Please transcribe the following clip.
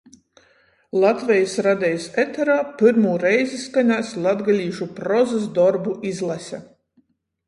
Latvejis Radejis eterā pyrmū reizi skanēs latgalīšu prozys dorbu izlase.